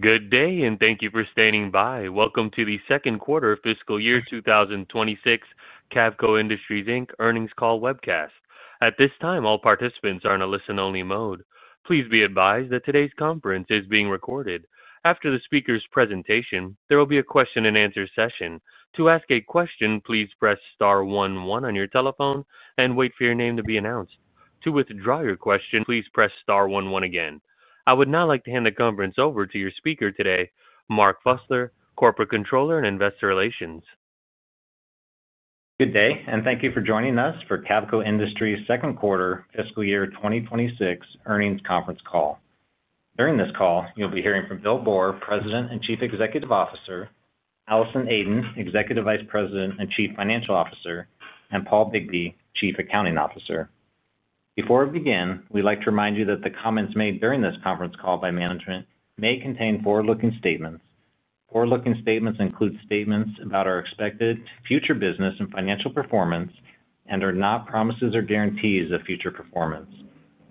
Good day, and thank you for standing by. Welcome to the second quarter of fiscal year 2026, Cavco Industries, Inc. earnings call webcast. At this time, all participants are in a listen-only mode. Please be advised that today's conference is being recorded. After the speaker's presentation, there will be a question-and-answer session. To ask a question, please press star 11 on your telephone and wait for your name to be announced. To withdraw your question, please press star 11 again. I would now like to hand the conference over to your speaker today, Mark Fusler, Corporate Controller and Investor Relations. Good day, and thank you for joining us for Cavco Industries' second quarter fiscal year 2026 earnings conference call. During this call, you'll be hearing from Bill Boor, President and Chief Executive Officer, Allison Aden, Executive Vice President and Chief Financial Officer, and Paul Bigbee, Chief Accounting Officer. Before we begin, we'd like to remind you that the comments made during this conference call by management may contain forward-looking statements. Forward-looking statements include statements about our expected future business and financial performance and are not promises or guarantees of future performance.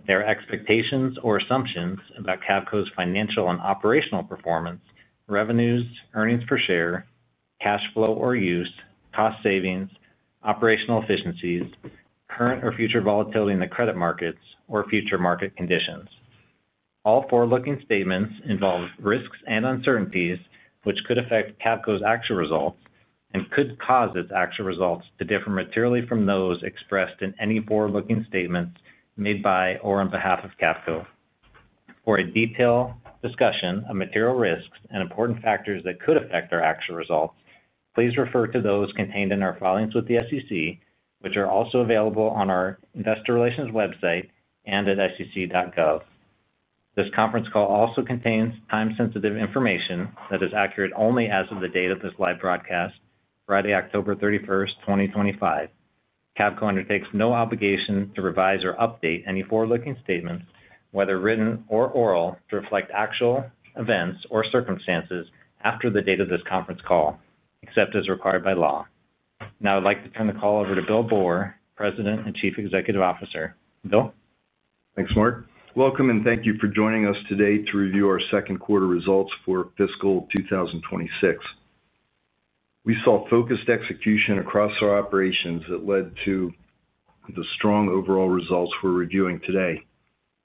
They are expectations or assumptions about Cavco's financial and operational performance, revenues, earnings per share, cash flow or use, cost savings, operational efficiencies, current or future volatility in the credit markets, or future market conditions. All forward-looking statements involve risks and uncertainties which could affect Cavco's actual results and could cause its actual results to differ materially from those expressed in any forward-looking statements made by or on behalf of Cavco. For a detailed discussion of material risks and important factors that could affect our actual results, please refer to those contained in our filings with the SEC, which are also available on our Investor Relations website and at sec.gov. This conference call also contains time-sensitive information that is accurate only as of the date of this live broadcast, Friday, October 31, 2025. Cavco undertakes no obligation to revise or update any forward-looking statements, whether written or oral, to reflect actual events or circumstances after the date of this conference call, except as required by law. Now, I'd like to turn the call over to Bill Boor, President and Chief Executive Officer. Bill? Thanks, Mark. Welcome, and thank you for joining us today to review our second quarter results for fiscal 2026. We saw focused execution across our operations that led to the strong overall results we're reviewing today.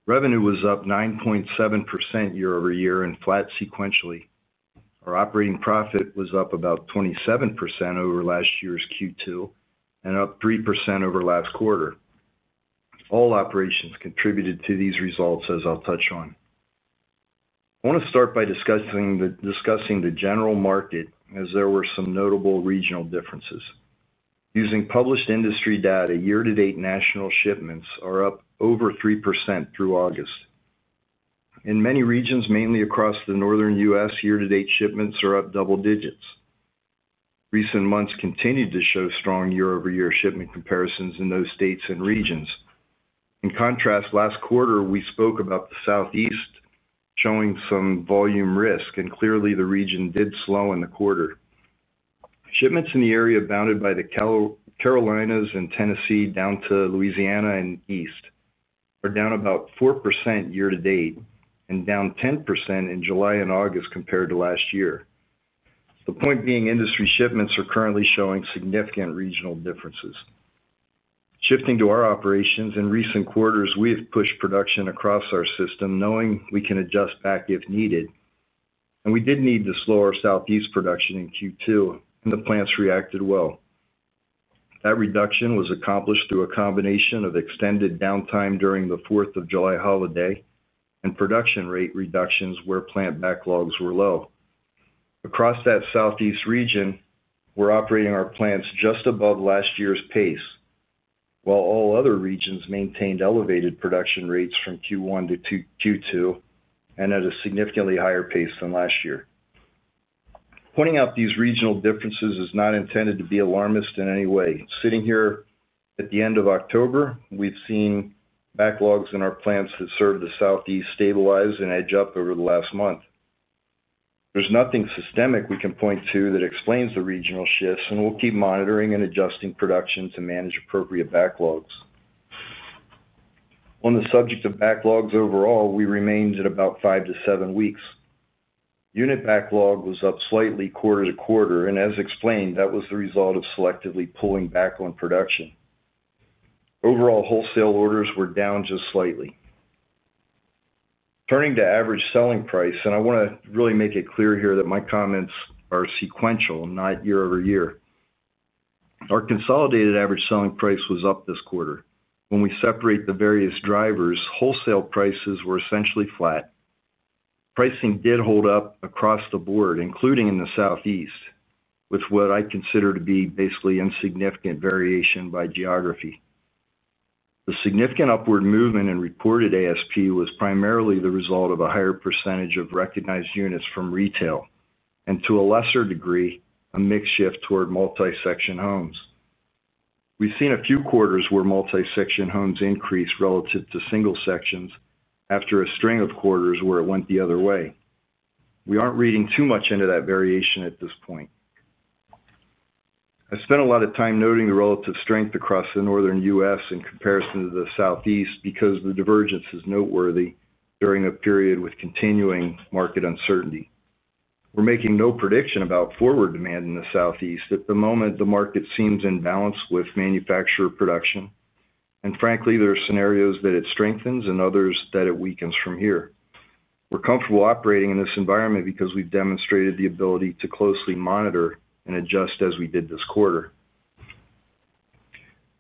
Revenue was up 9.7% year-over-year and flat sequentially. Our operating profit was up about 27% over last year's Q2 and up 3% over last quarter. All operations contributed to these results, as I'll touch on. I want to start by discussing the general market, as there were some notable regional differences. Using published industry data, year-to-date national shipments are up over 3% through August. In many regions, mainly across the northern U.S., year-to-date shipments are up double digits. Recent months continue to show strong year-over-year shipment comparisons in those states and regions. In contrast, last quarter, we spoke about the Southeast showing some volume risk, and clearly, the region did slow in the quarter. Shipments in the area bounded by the Carolinas and Tennessee down to Louisiana and east are down about 4% year-to-date and down 10% in July and August compared to last year. The point being, industry shipments are currently showing significant regional differences. Shifting to our operations, in recent quarters, we have pushed production across our system, knowing we can adjust back if needed. We did need to slow our Southeast production in Q2, and the plants reacted well. That reduction was accomplished through a combination of extended downtime during the 4th of July holiday and production rate reductions where plant backlogs were low. Across that Southeast region, we're operating our plants just above last year's pace, while all other regions maintained elevated production rates from Q1 to Q2 and at a significantly higher pace than last year. Pointing out these regional differences is not intended to be alarmist in any way. Sitting here at the end of October, we've seen backlogs in our plants that served the Southeast stabilize and edge up over the last month. There's nothing systemic we can point to that explains the regional shifts, and we'll keep monitoring and adjusting production to manage appropriate backlogs. On the subject of backlogs overall, we remained at about five to seven weeks. Unit backlog was up slightly quarter to quarter, and as explained, that was the result of selectively pulling back on production. Overall, wholesale orders were down just slightly. Turning to average selling price, and I want to really make it clear here that my comments are sequential, not year-over-year. Our consolidated average selling price was up this quarter. When we separate the various drivers, wholesale prices were essentially flat. Pricing did hold up across the board, including in the Southeast, with what I consider to be basically insignificant variation by geography. The significant upward movement in reported ASP was primarily the result of a higher percentage of recognized units from retail, and to a lesser degree, a mix shift toward multi-section homes. We've seen a few quarters where multi-section homes increased relative to single sections after a string of quarters where it went the other way. We aren't reading too much into that variation at this point. I spent a lot of time noting the relative strength across the northern U.S. in comparison to the Southeast because the divergence is noteworthy during a period with continuing market uncertainty. We're making no prediction about forward demand in the Southeast at the moment. The market seems in balance with manufacturer production, and frankly, there are scenarios that it strengthens and others that it weakens from here. We're comfortable operating in this environment because we've demonstrated the ability to closely monitor and adjust as we did this quarter.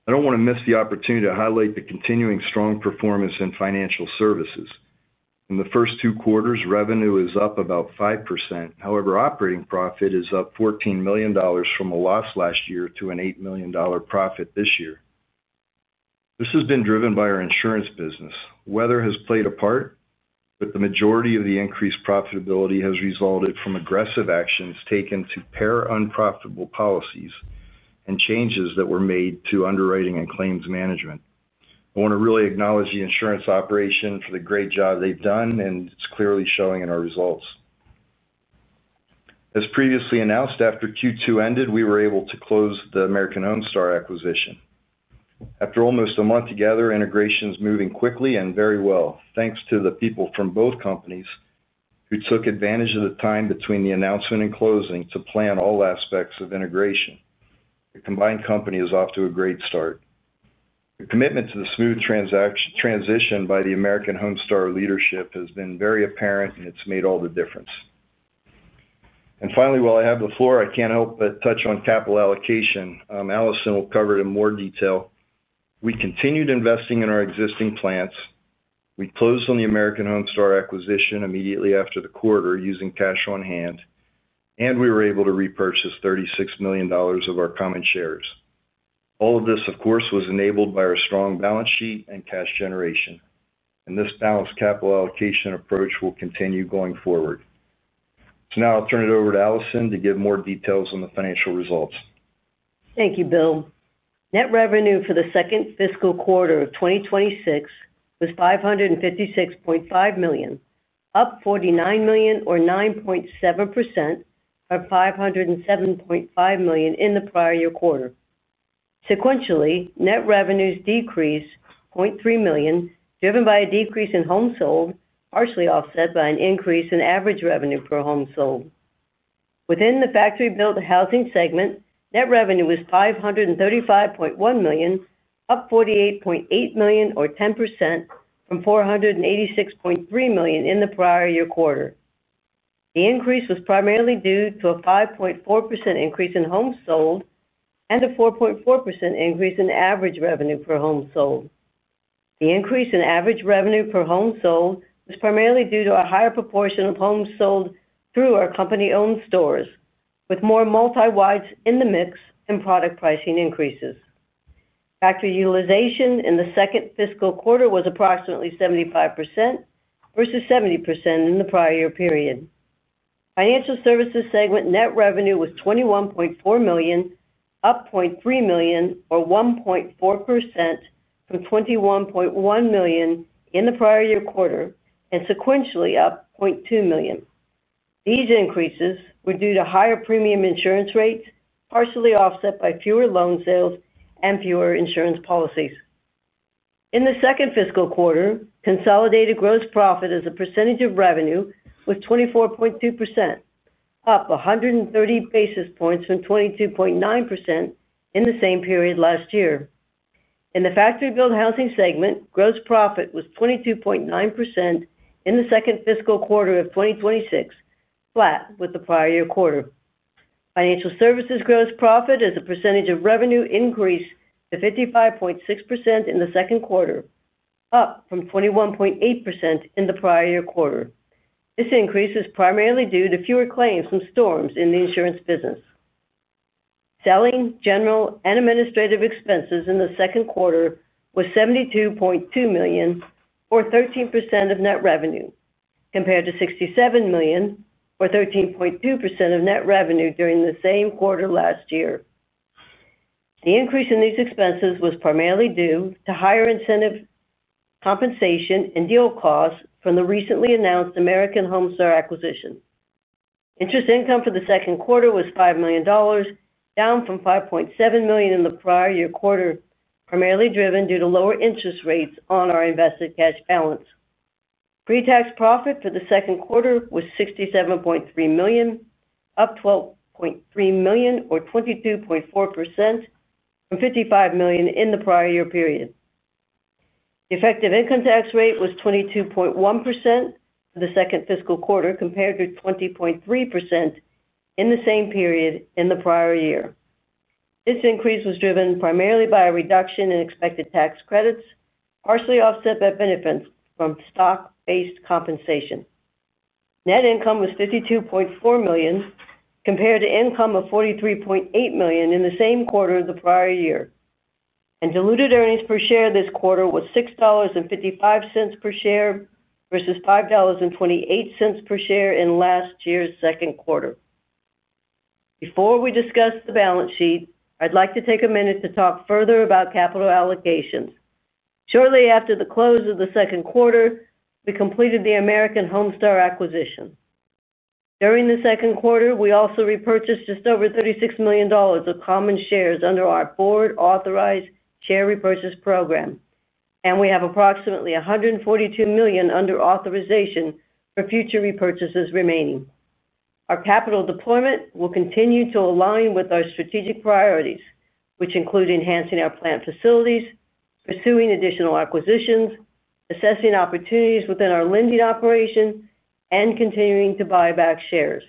I don't want to miss the opportunity to highlight the continuing strong performance in financial services. In the first two quarters, revenue is up about 5%. However, operating profit is up $14 million from a loss last year to an $8 million profit this year. This has been driven by our insurance business. Weather has played a part, but the majority of the increased profitability has resulted from aggressive actions taken to pare unprofitable policies and changes that were made to underwriting and claims management. I want to really acknowledge the insurance operation for the great job they've done, and it's clearly showing in our results. As previously announced, after Q2 ended, we were able to close the American Homestar acquisition. After almost a month together, integration is moving quickly and very well, thanks to the people from both companies who took advantage of the time between the announcement and closing to plan all aspects of integration. The combined company is off to a great start. The commitment to the smooth transition by the American Homestar leadership has been very apparent, and it's made all the difference. Finally, while I have the floor, I can't help but touch on capital allocation. Allison will cover it in more detail. We continued investing in our existing plants. We closed on the American Homestar acquisition immediately after the quarter using cash on hand, and we were able to repurchase $36 million of our common shares. All of this, of course, was enabled by our strong balance sheet and cash generation, and this balanced capital allocation approach will continue going forward. Now I'll turn it over to Allison to give more details on the financial results. Thank you, Bill. Net revenue for the second fiscal quarter of 2026 was $556.5 million, up $49 million, or 9.7%, off $507.5 million in the prior year quarter. Sequentially, net revenues decreased $0.3 million, driven by a decrease in homes sold, partially offset by an increase in average revenue per home sold. Within the factory-built housing segment, net revenue was $535.1 million, up $48.8 million, or 10%, from $486.3 million in the prior year quarter. The increase was primarily due to a 5.4% increase in homes sold and a 4.4% increase in average revenue per home sold. The increase in average revenue per home sold was primarily due to a higher proportion of homes sold through our company-owned stores, with more multi-wides in the mix and product pricing increases. Factory utilization in the second fiscal quarter was approximately 75%, versus 70% in the prior year period. Financial services segment net revenue was $21.4 million, up $0.3 million, or 1.4%, from $21.1 million in the prior year quarter and sequentially up $0.2 million. These increases were due to higher premium insurance rates, partially offset by fewer loan sales and fewer insurance policies. In the second fiscal quarter, consolidated gross profit as a percentage of revenue was 24.2%, up 130 basis points from 22.9% in the same period last year. In the factory-built housing segment, gross profit was 22.9% in the second fiscal quarter of 2026, flat with the prior year quarter. Financial services gross profit as a percentage of revenue increased to 55.6% in the second quarter, up from 21.8% in the prior year quarter. This increase is primarily due to fewer claims and storms in the insurance business. Selling, general, and administrative expenses in the second quarter were $72.2 million, or 13% of net revenue, compared to $67 million, or 13.2% of net revenue during the same quarter last year. The increase in these expenses was primarily due to higher incentive compensation and deal costs from the recently announced American Homestar acquisition. Interest income for the second quarter was $5 million, down from $5.7 million in the prior year quarter, primarily driven due to lower interest rates on our invested cash balance. Pre-tax profit for the second quarter was $67.3 million, up $12.3 million, or 22.4%, from $55 million in the prior year period. The effective income tax rate was 22.1% for the second fiscal quarter, compared to 20.3% in the same period in the prior year. This increase was driven primarily by a reduction in expected tax credits, partially offset by benefits from stock-based compensation. Net income was $52.4 million, compared to income of $43.8 million in the same quarter of the prior year. Diluted earnings per share this quarter was $6.55 per share versus $5.28 per share in last year's second quarter. Before we discuss the balance sheet, I'd like to take a minute to talk further about capital allocations. Shortly after the close of the second quarter, we completed the American Homestar acquisition. During the second quarter, we also repurchased just over $36 million of common shares under our board-authorized share repurchase program. We have approximately $142 million under authorization for future repurchases remaining. Our capital deployment will continue to align with our strategic priorities, which include enhancing our plant facilities, pursuing additional acquisitions, assessing opportunities within our lending operation, and continuing to buy back shares.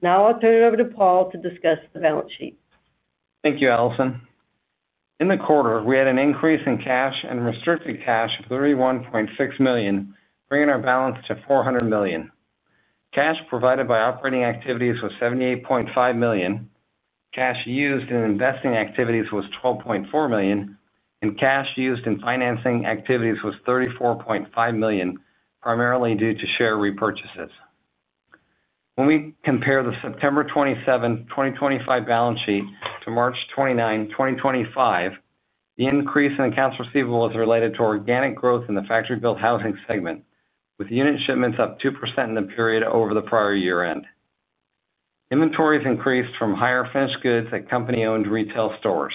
Now I'll turn it over to Paul to discuss the balance sheet. Thank you, Allison. In the quarter, we had an increase in cash and restricted cash of $31.6 million, bringing our balance to $400 million. Cash provided by operating activities was $78.5 million. Cash used in investing activities was $12.4 million, and cash used in financing activities was $34.5 million, primarily due to share repurchases. When we compare the September 27, 2025, balance sheet to March 29, 2025, the increase in accounts receivable is related to organic growth in the factory-built housing segment, with unit shipments up 2% in the period over the prior year-end. Inventories increased from higher finished goods at company-owned retail stores.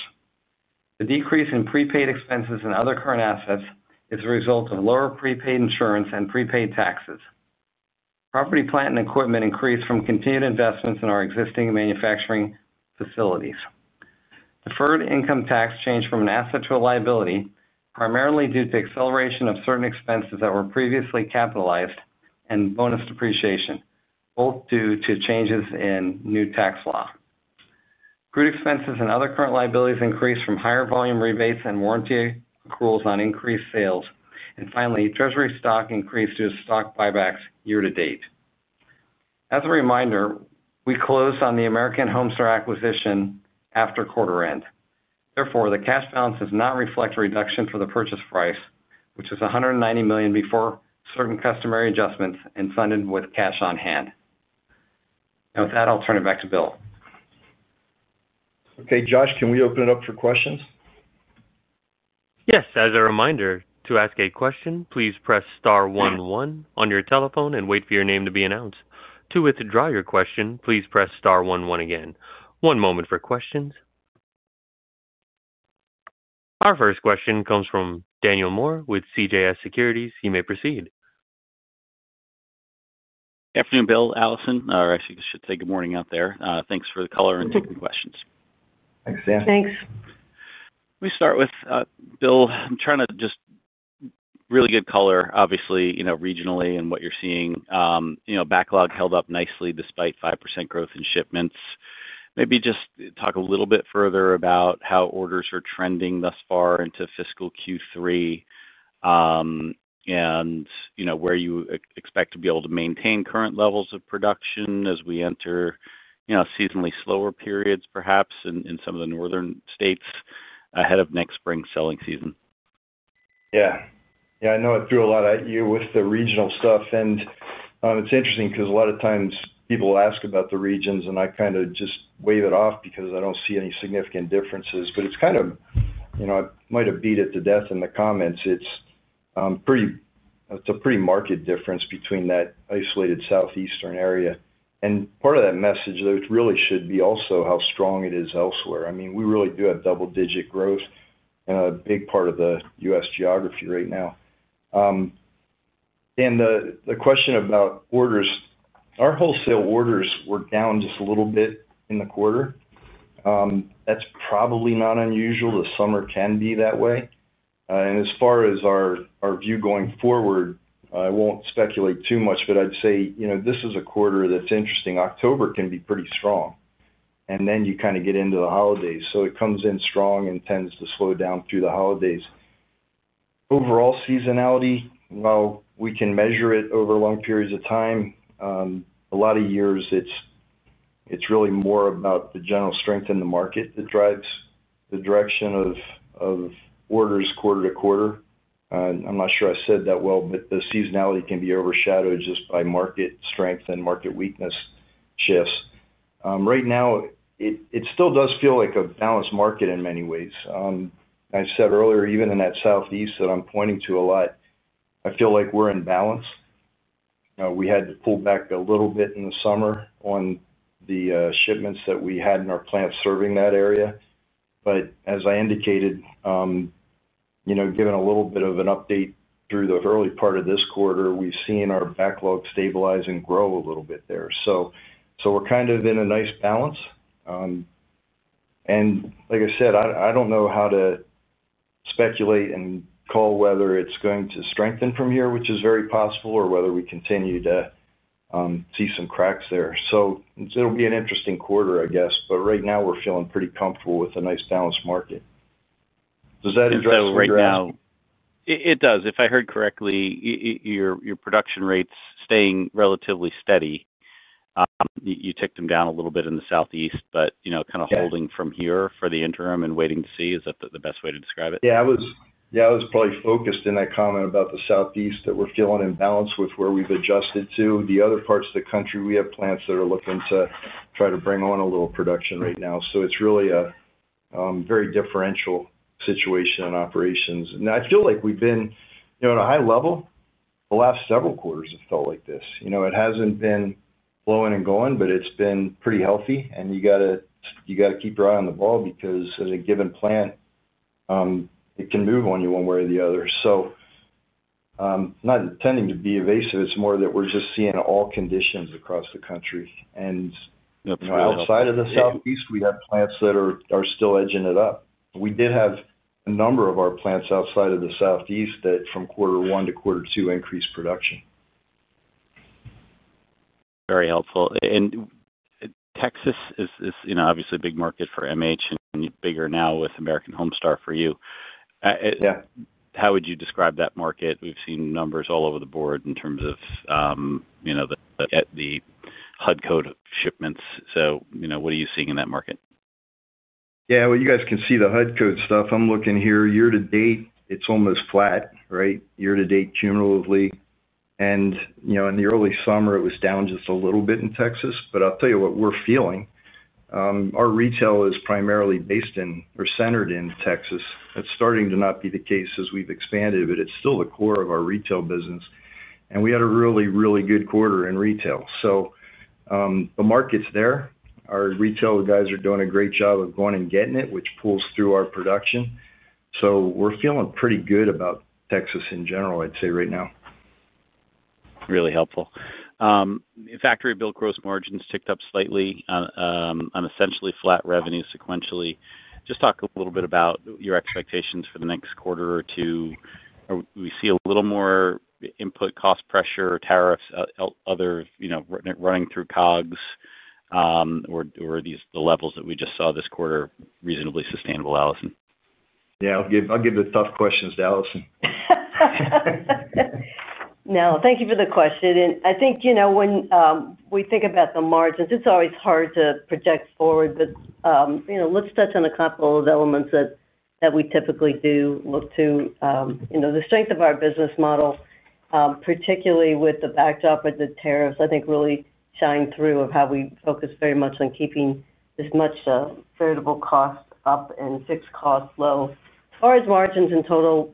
The decrease in prepaid expenses and other current assets is the result of lower prepaid insurance and prepaid taxes. Property, plant, and equipment increased from continued investments in our existing manufacturing facilities. Deferred income tax changed from an asset to a liability, primarily due to acceleration of certain expenses that were previously capitalized and bonus depreciation, both due to changes in new tax law. Accrued expenses and other current liabilities increased from higher volume rebates and warranty accruals on increased sales. Finally, treasury stock increased due to stock buybacks year-to-date. As a reminder, we closed on the American Homestar acquisition after quarter-end. Therefore, the cash balance does not reflect a reduction for the purchase price, which was $190 million before certain customary adjustments and funded with cash on hand. Now with that, I'll turn it back to Bill. Okay, Josh, can we open it up for questions? Yes. As a reminder, to ask a question, please press star 11 on your telephone and wait for your name to be announced. To withdraw your question, please press star 11 again. One moment for questions. Our first question comes from Daniel Moore with CJS Securities. You may proceed. Good afternoon, Bill, Allison. Actually, I should say good morning out there. Thanks for the color and taking questions. Thanks, Dan. Thanks. We start with Bill. Really good color, obviously, regionally and what you're seeing. Backlog held up nicely despite 5% growth in shipments. Maybe just talk a little bit further about how orders are trending thus far into fiscal Q3, and where you expect to be able to maintain current levels of production as we enter seasonally slower periods, perhaps, in some of the northern states ahead of next spring selling season. Yeah, I know I threw a lot at you with the regional stuff. It's interesting because a lot of times people ask about the regions, and I kind of just wave it off because I don't see any significant differences. I might have beat it to death in the comments. It's a pretty marked difference between that isolated southeastern area. Part of that message, though, really should be also how strong it is elsewhere. I mean, we really do have double-digit growth in a big part of the U.S. geography right now. The question about orders, our wholesale orders were down just a little bit in the quarter. That's probably not unusual. The summer can be that way. As far as our view going forward, I won't speculate too much, but I'd say this is a quarter that's interesting. October can be pretty strong. You kind of get into the holidays, so it comes in strong and tends to slow down through the holidays. Overall seasonality, while we can measure it over long periods of time, a lot of years it's really more about the general strength in the market that drives the direction of orders quarter to quarter. I'm not sure I said that well, but the seasonality can be overshadowed just by market strength and market weakness shifts. Right now, it still does feel like a balanced market in many ways. I said earlier, even in that Southeast that I'm pointing to a lot, I feel like we're in balance. We had to pull back a little bit in the summer on the shipments that we had in our plant serving that area. As I indicated, given a little bit of an update through the early part of this quarter, we've seen our backlog stabilize and grow a little bit there. We're kind of in a nice balance. Like I said, I don't know how to speculate and call whether it's going to strengthen from here, which is very possible, or whether we continue to see some cracks there. It'll be an interesting quarter, I guess. Right now, we're feeling pretty comfortable with a nice balanced market. Does that address your question? It does. If I heard correctly, your production rates staying relatively steady. You ticked them down a little bit in the Southeast, but kind of holding from here for the interim and waiting to see. Is that the best way to describe it? Yeah. I was probably focused in that comment about the Southeast that we're feeling in balance with where we've adjusted to. The other parts of the country, we have plants that are looking to try to bring on a little production right now. It's really a very differential situation in operations. I feel like we've been at a high level the last several quarters that felt like this. It hasn't been blowing and going, but it's been pretty healthy. You got to keep your eye on the ball because at a given plant, it can move on you one way or the other. Not intending to be evasive, it's more that we're just seeing all conditions across the country. Outside of the Southeast, we have plants that are still edging it up. We did have a number of our plants outside of the Southeast that from quarter one to quarter two increased production. Very helpful. Texas is obviously a big market for manufactured homes and bigger now with American Homestar for you. Yeah. How would you describe that market? We've seen numbers all over the board in terms of the HUD code shipments. What are you seeing in that market? You guys can see the HUD code stuff. I'm looking here. Year-to-date, it's almost flat, right? Year-to-date cumulatively. In the early summer, it was down just a little bit in Texas. I'll tell you what we're feeling. Our retail is primarily based in or centered in Texas. That's starting to not be the case as we've expanded, but it's still the core of our retail business. We had a really, really good quarter in retail. The market's there. Our retail guys are doing a great job of going and getting it, which pulls through our production. We're feeling pretty good about Texas in general, I'd say, right now. Really helpful. In factory-built, gross margins ticked up slightly on essentially flat revenue sequentially. Just talk a little bit about your expectations for the next quarter or two. We see a little more input cost pressure, tariffs, other, running through COGS. Are the levels that we just saw this quarter reasonably sustainable, Allison? Yeah, I'll give the tough questions to Allison. Thank you for the question. I think when we think about the margins, it's always hard to project forward. Let's touch on a couple of elements that we typically do look to. The strength of our business model, particularly with the backdrop of the tariffs, really shines through in how we focus very much on keeping as much variable cost up and fixed costs low. As far as margins in total,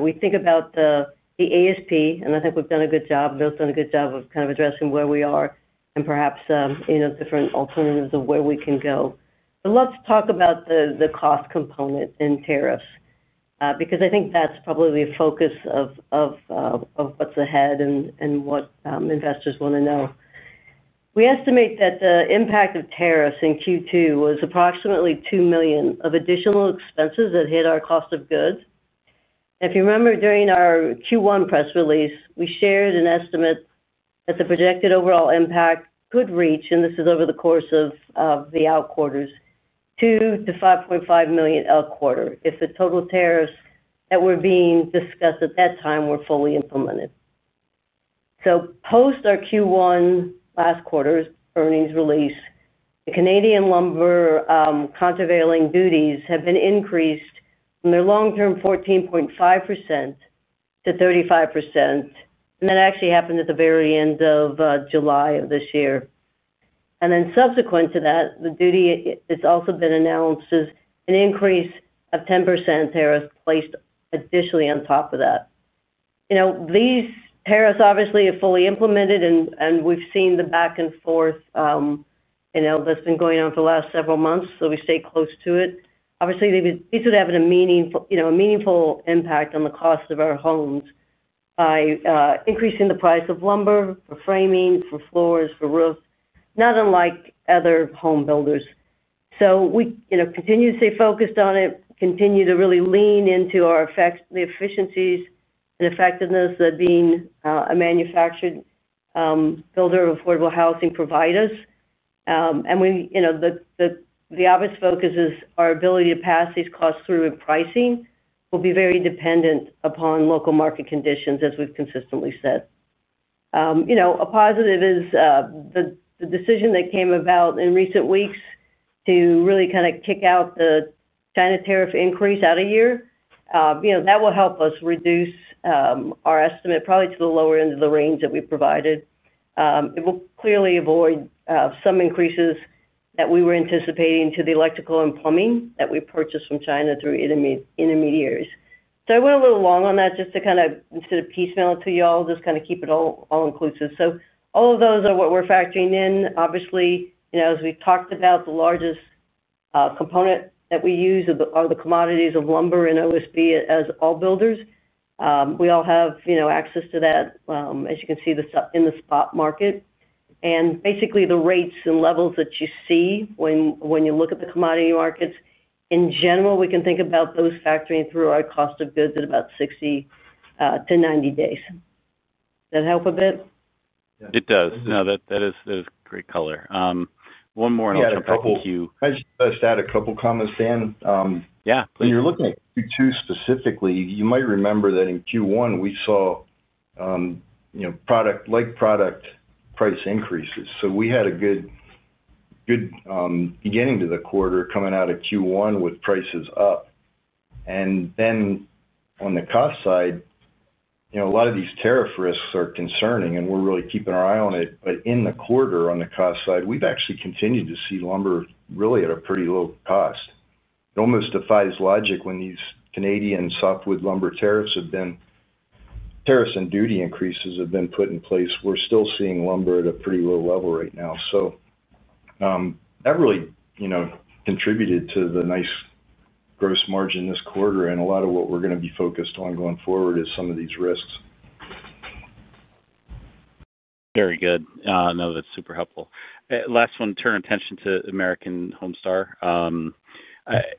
we think about the ASP, and I think we've done a good job. Bill's done a good job of kind of addressing where we are and perhaps different alternatives of where we can go. Let's talk about the cost component and tariffs because I think that's probably the focus of what's ahead and what investors want to know. We estimate that the impact of tariffs in Q2 was approximately $2 million of additional expenses that hit our cost of goods. If you remember, during our Q1 press release, we shared an estimate that the projected overall impact could reach, and this is over the course of the out quarters, $2 million-$5.5 million out quarter if the total tariffs that were being discussed at that time were fully implemented. Post our Q1 last quarter's earnings release, the Canadian lumber countervailing duties have been increased from their long-term 14.5%-35%. That actually happened at the very end of July of this year. Subsequent to that, the duty has also been announced as an increase of 10% tariffs placed additionally on top of that. These tariffs obviously are fully implemented, and we've seen the back and forth that's been going on for the last several months, so we stay close to it. These would have a meaningful impact on the cost of our homes by increasing the price of lumber for framing, for floors, for roofs, not unlike other home builders. We continue to stay focused on it, continue to really lean into the efficiencies and effectiveness that being a manufactured builder of affordable housing provides us. The obvious focus is our ability to pass these costs through in pricing will be very dependent upon local market conditions, as we've consistently said. A positive is the decision that came about in recent weeks to really kind of kick out the China tariff increase out of year. That will help us reduce our estimate probably to the lower end of the range that we provided. It will clearly avoid some increases that we were anticipating to the electrical and plumbing that we purchased from China through intermediaries. I went a little long on that just to kind of instead of piecemeal it to y'all, just kind of keep it all inclusive. All of those are what we're factoring in. Obviously, as we talked about, the largest component that we use are the commodities of lumber and OSB as all builders. We all have access to that, as you can see, in the spot market. Basically, the rates and levels that you see when you look at the commodity markets, in general, we can think about those factoring through our cost of goods at about 60-90 days. Does that help a bit? It does. No, that is great color. One more and I'll jump back to you. Yeah, I just touched on a couple of comments, Dan. Yeah. When you're looking at Q2 specifically, you might remember that in Q1, we saw product price increases. We had a good beginning to the quarter coming out of Q1 with prices up. On the cost side, a lot of these tariff risks are concerning, and we're really keeping our eye on it. In the quarter, on the cost side, we've actually continued to see lumber really at a pretty low cost. It almost defies logic when these Canadian softwood lumber tariffs and duty increases have been put in place. We're still seeing lumber at a pretty low level right now. That really contributed to the nice gross margin this quarter. A lot of what we're going to be focused on going forward is some of these risks. Very good. No, that's super helpful. Last one, turn attention to American Homestar. I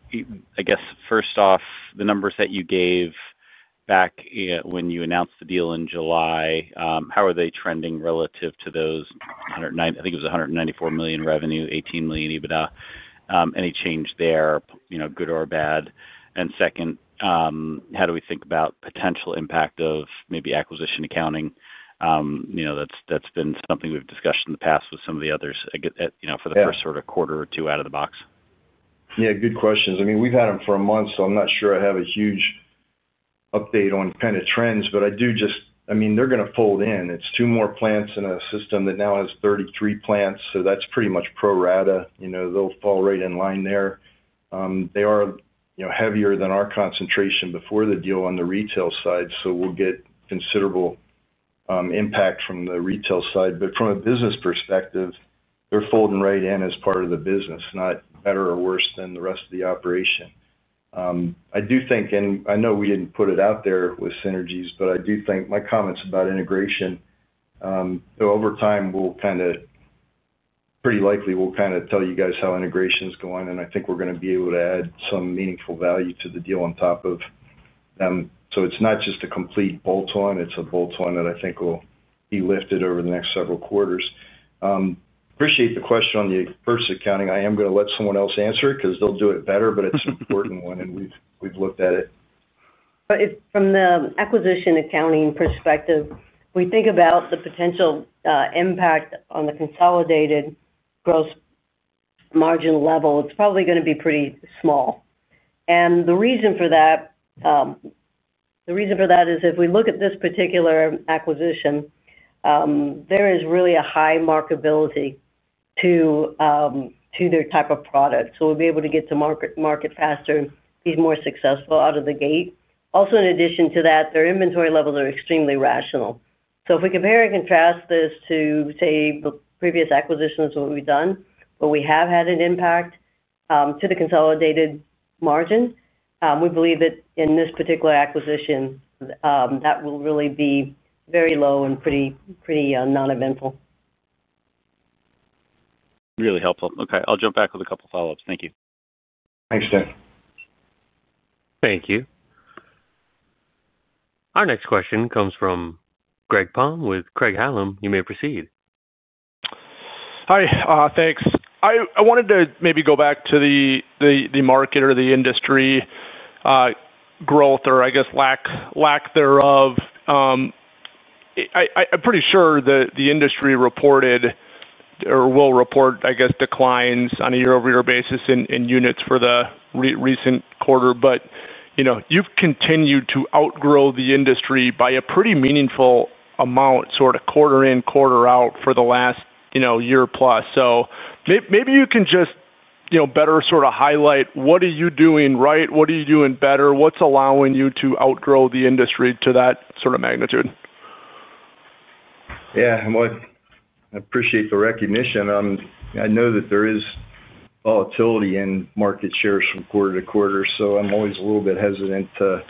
guess, first off, the numbers that you gave back when you announced the deal in July, how are they trending relative to those? I think it was $194 million revenue, $18 million EBITDA. Any change there, good or bad? Second, how do we think about potential impact of maybe acquisition accounting? That's been something we've discussed in the past with some of the others for the first sort of quarter or two out of the box. Yeah. Good questions. I mean, we've had them for a month, so I'm not sure I have a huge update on kind of trends. I do just, I mean, they're going to fold in. It's two more plants in a system that now has 33 plants. That's pretty much pro rata. They'll fall right in line there. They are heavier than our concentration before the deal on the retail side, so we'll get considerable impact from the retail side. From a business perspective, they're folding right in as part of the business, not better or worse than the rest of the operation. I do think, and I know we didn't put it out there with synergies, but I do think my comments about integration over time will kind of, pretty likely we'll kind of tell you guys how integration is going. I think we're going to be able to add some meaningful value to the deal on top of them. It's not just a complete bolt-on. It's a bolt-on that I think will be lifted over the next several quarters. Appreciate the question on the purchase accounting. I am going to let someone else answer it because they'll do it better, but it's an important one, and we've looked at it. From the acquisition accounting perspective, we think about the potential impact on the consolidated gross margin level. It's probably going to be pretty small. The reason for that is if we look at this particular acquisition, there is really a high marketability to their type of product. We'll be able to get to market faster, be more successful out of the gate. Also, in addition to that, their inventory levels are extremely rational. If we compare and contrast this to, say, the previous acquisitions, what we've done, where we have had an impact to the consolidated margin, we believe that in this particular acquisition, that will really be very low and pretty non-eventful. Really helpful. Okay, I'll jump back with a couple of follow-ups. Thank you. Thanks, Dan. Thank you. Our next question comes from Greg Palm with Craig-Hallum. You may proceed. Hi. Thanks. I wanted to maybe go back to the market or the industry growth or, I guess, lack thereof. I'm pretty sure that the industry reported or will report, I guess, declines on a year-over-year basis in units for the recent quarter. You've continued to outgrow the industry by a pretty meaningful amount, sort of quarter in, quarter out for the last year plus. Maybe you can just better sort of highlight, what are you doing right? What are you doing better? What's allowing you to outgrow the industry to that sort of magnitude? Yeah. I appreciate the recognition. I know that there is volatility in market shares from quarter to quarter. I'm always a little bit hesitant to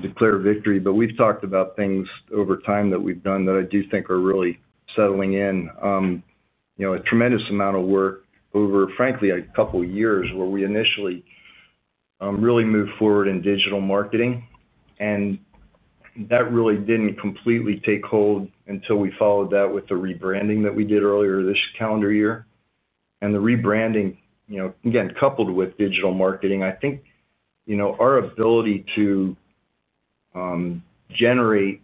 declare victory. We've talked about things over time that we've done that I do think are really settling in. A tremendous amount of work over, frankly, a couple of years where we initially really moved forward in digital marketing. That really didn't completely take hold until we followed that with the rebranding that we did earlier this calendar year. The rebranding, again, coupled with digital marketing, I think our ability to generate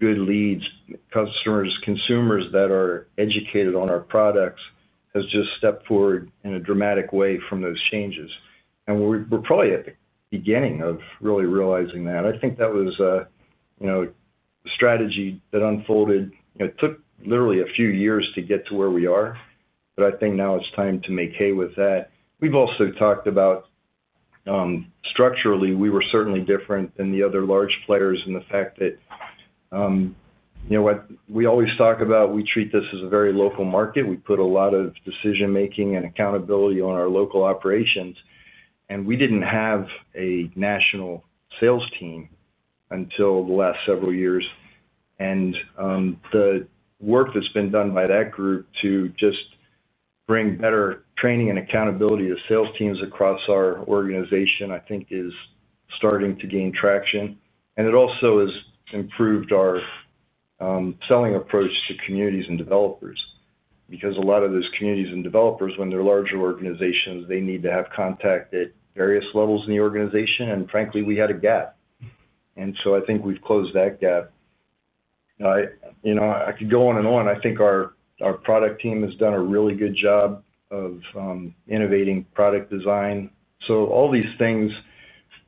good leads, customers, consumers that are educated on our products has just stepped forward in a dramatic way from those changes. We're probably at the beginning of really realizing that. I think that was a strategy that unfolded. It took literally a few years to get to where we are. I think now it's time to make hay with that. We've also talked about, structurally, we were certainly different than the other large players in the fact that we always talk about we treat this as a very local market. We put a lot of decision-making and accountability on our local operations. We didn't have a national sales team until the last several years. The work that's been done by that group to just bring better training and accountability to sales teams across our organization, I think, is starting to gain traction. It also has improved our selling approach to communities and developers because a lot of those communities and developers, when they're larger organizations, they need to have contact at various levels in the organization. Frankly, we had a gap. I think we've closed that gap. I could go on and on. I think our product team has done a really good job of innovating product design. All these things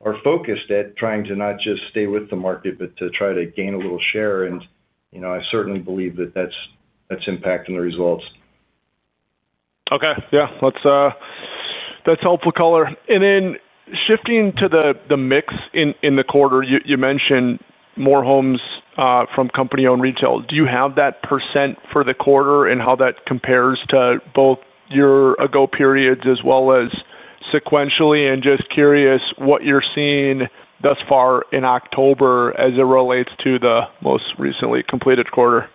are focused at trying to not just stay with the market, but to try to gain a little share. I certainly believe that that's impacting the results. Okay. Yeah, that's helpful color. Shifting to the mix in the quarter, you mentioned more homes from company-owned retail. Do you have that percent for the quarter and how that compares to both your ago periods as well as sequentially? Just curious what you're seeing thus far in October as it relates to the most recently completed quarter.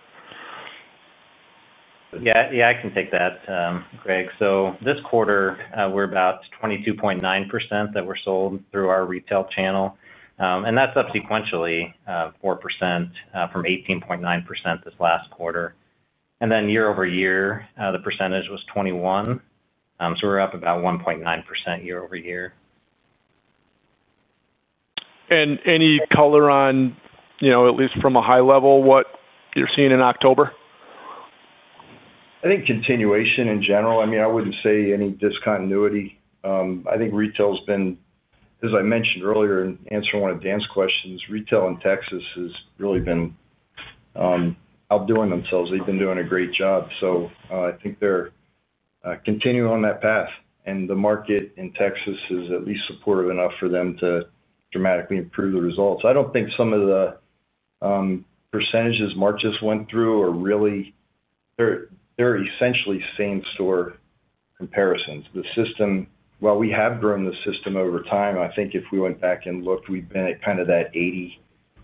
Yeah, I can take that, Greg. This quarter, we're about 22.9% that were sold through our retail channel. That's up sequentially 4% from 18.9% this last quarter. Year-over-year, the percentage was 21%, so we're up about 1.9% year-over-year. Any color on, at least from a high level, what you're seeing in October? I think continuation in general. I mean, I wouldn't say any discontinuity. I think retail has been, as I mentioned earlier in answering one of Dan's questions, retail in Texas has really been outdoing themselves. They've been doing a great job. I think they're continuing on that path, and the market in Texas is at least supportive enough for them to dramatically improve the results. I don't think some of the percentages Mark just went through are really. They're essentially same-store comparisons. While we have grown the system over time, I think if we went back and looked, we've been at kind of that 80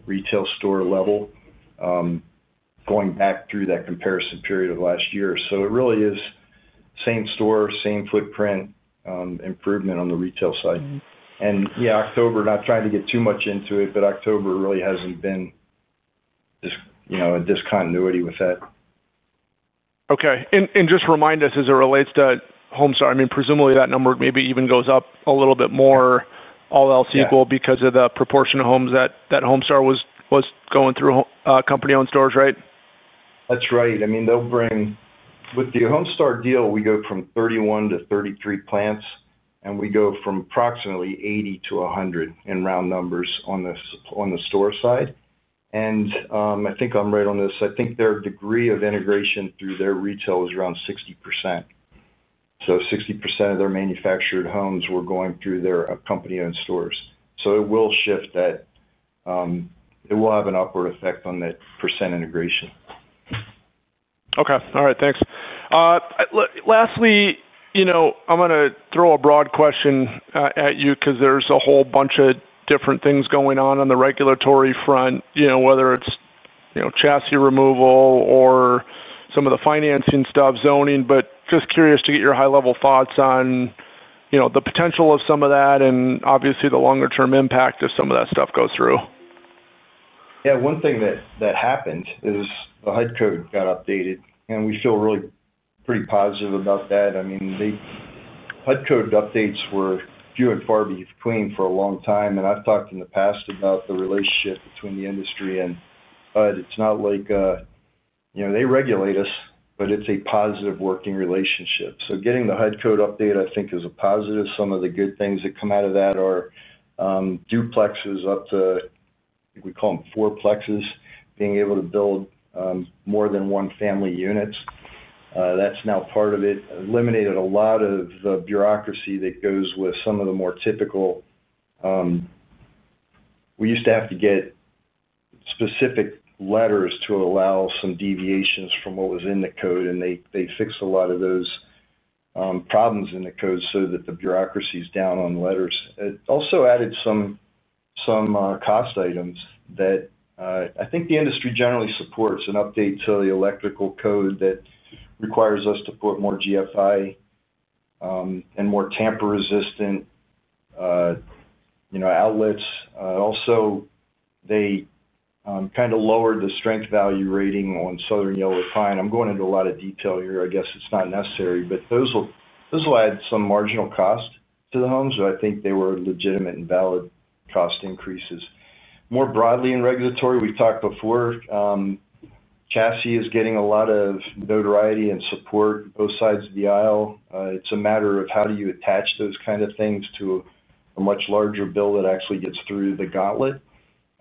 retail store level going back through that comparison period of last year. It really is same-store, same-footprint improvement on the retail side. October, not trying to get too much into it, but October really hasn't been a discontinuity with that. Okay. Just remind us as it relates to American Homestar. I mean, presumably that number maybe even goes up a little bit more, all else equal, because of the proportion of homes that American Homestar was going through company-owned stores, right? That's right. I mean, with the American Homestar deal, we go from 31 to 33 plants, and we go from approximately 80 to 100 in round numbers on the store side. I think I'm right on this. I think their degree of integration through their retail was around 60%. So 60% of their manufactured homes were going through their company-owned stores. It will shift that. It will have an upward effect on that percent integration. Okay. All right. Thanks. Lastly, I'm going to throw a broad question at you because there's a whole bunch of different things going on on the regulatory front, whether it's chassis removal or some of the financing stuff, zoning. Just curious to get your high-level thoughts on the potential of some of that and obviously the longer-term impact if some of that stuff goes through. Yeah. One thing that happened is the HUD code got updated. We feel really pretty positive about that. I mean, HUD code updates were few and far between for a long time. I've talked in the past about the relationship between the industry and HUD. It's not like they regulate us, but it's a positive working relationship. Getting the HUD code update, I think, is a positive. Some of the good things that come out of that are duplexes up to, I think we call them fourplexes, being able to build more than one-family units. That's now part of it. It eliminated a lot of the bureaucracy that goes with some of the more typical. We used to have to get specific letters to allow some deviations from what was in the code, and they fixed a lot of those problems in the code so that the bureaucracy is down on letters. It also added some cost items that I think the industry generally supports, an update to the electrical code that requires us to put more GFI and more tamper-resistant outlets. Also, they kind of lowered the strength value rating on southern yellow pine. I'm going into a lot of detail here. I guess it's not necessary, but those will add some marginal cost to the homes. I think they were legitimate and valid cost increases. More broadly in regulatory, we've talked before. Chassis is getting a lot of notoriety and support on both sides of the aisle. It's a matter of how do you attach those kinds of things to a much larger bill that actually gets through the gauntlet.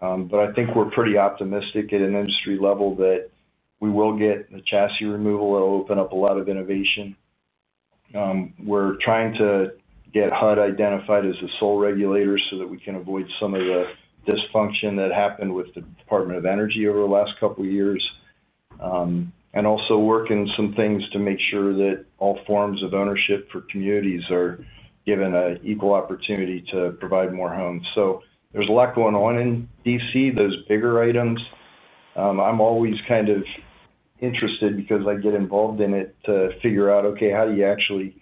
I think we're pretty optimistic at an industry level that we will get the chassis removal. It'll open up a lot of innovation. We're trying to get HUD identified as a sole regulator so that we can avoid some of the dysfunction that happened with the Department of Energy over the last couple of years. Also working some things to make sure that all forms of ownership for communities are given an equal opportunity to provide more homes. There's a lot going on in D.C., those bigger items. I'm always kind of interested because I get involved in it to figure out, okay, how do you actually.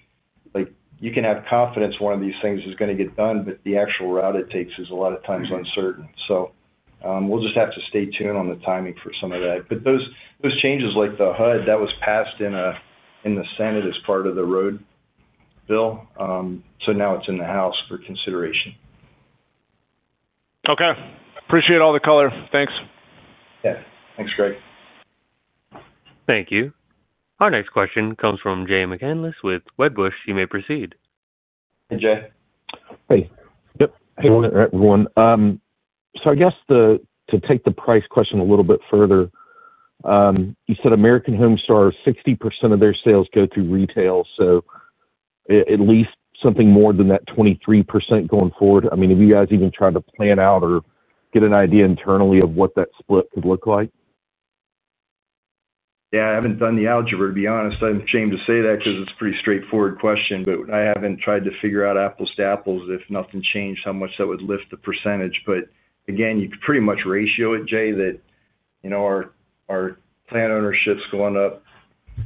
You can have confidence one of these things is going to get done, but the actual route it takes is a lot of times uncertain. We'll just have to stay tuned on the timing for some of that. Those changes like the HUD, that was passed in the Senate as part of the road bill. Now it's in the House for consideration. Okay. Appreciate all the color. Thanks. Yeah, thanks, Greg. Thank you. Our next question comes from Jay McCanless with Wedbush. You may proceed. Hey, Jay. Hey. Yep. Hey, everyone. To take the price question a little bit further, you said American Homestar, 60% of their sales go through retail. At least something more than that 23% going forward? I mean, have you guys even tried to plan out or get an idea internally of what that split could look like? I haven't done the algebra, to be honest. I'm ashamed to say that because it's a pretty straightforward question. I haven't tried to figure out apples to apples. If nothing changed, how much that would lift the percentage. You could pretty much ratio it, Jay, that our plant ownership's going up.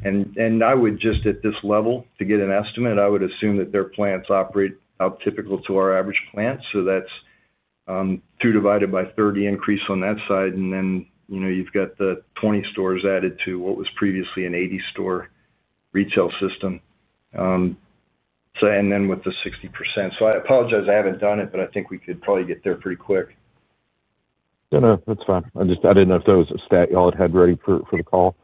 I would just, at this level, to get an estimate, assume that their plants operate out typical to our average plants. That's 2 divided by 30 increase on that side. You've got the 20 stores added to what was previously an 80-store retail system, and then with the 60%. I apologize. I haven't done it, but I think we could probably get there pretty quick. That's fine. I didn't know if that was a stat you had ready for the call.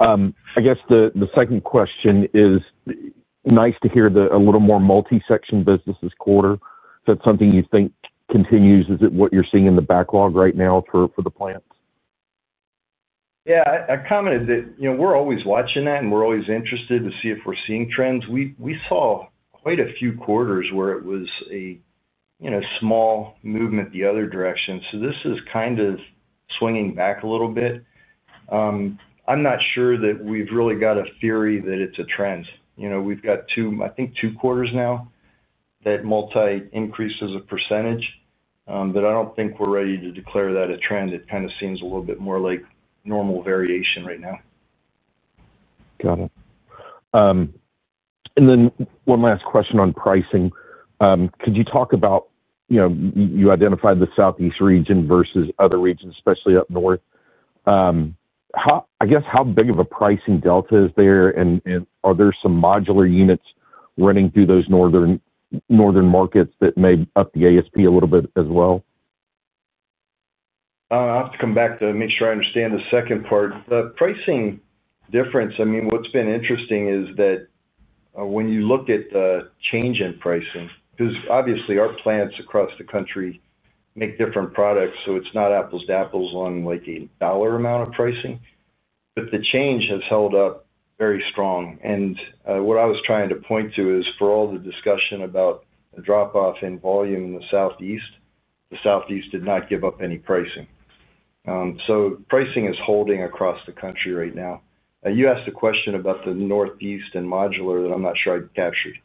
I guess the second question is, nice to hear a little more multi-section business this quarter. Is that something you think continues? Is it what you're seeing in the backlog right now for the plants? Yeah. I commented that we're always watching that, and we're always interested to see if we're seeing trends. We saw quite a few quarters where it was a small movement the other direction. This is kind of swinging back a little bit. I'm not sure that we've really got a theory that it's a trend. We've got, I think, two quarters now that multi-increases as a percentage. I don't think we're ready to declare that a trend. It kind of seems a little bit more like normal variation right now. Got it. One last question on pricing. Could you talk about, you identified the Southeast region versus other regions, especially up north? I guess how big of a pricing delta is there? Are there some modular units running through those northern markets that may up the ASP a little bit as well? I'll have to come back to make sure I understand the second part. The pricing difference, I mean, what's been interesting is that when you look at the change in pricing, because obviously our plants across the country make different products, it's not apples to apples on a dollar amount of pricing. The change has held up very strong. What I was trying to point to is for all the discussion about the drop-off in volume in the Southeast, the Southeast did not give up any pricing. Pricing is holding across the country right now. You asked a question about the Northeast and modular that I'm not sure I captured.